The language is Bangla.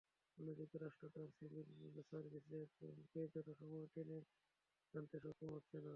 অন্যদিকে রাষ্ট্র তার সিভিল সার্ভিসে তারুণ্যকে যথাসময়ে টেনে আনতে সক্ষম হচ্ছে না।